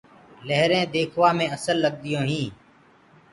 لهرينٚ ديکوآ مي اسل لگديونٚ هينٚ۔